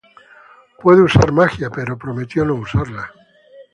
Puede usar magia, pero prometió no usarla.